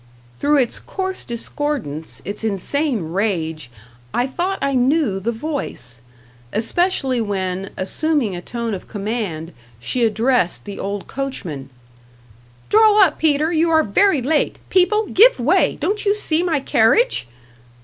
Through its coarse discordance, its insane rage, I thought I knew the voice. Especially when, assuming a tone of command, she addressed the old coachman: "Draw up, Peter; you are very late. People, give way! Don't you see my carriage?"